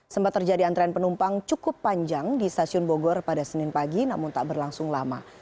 sempat terjadi antrean penumpang cukup panjang di stasiun bogor pada senin pagi namun tak berlangsung lama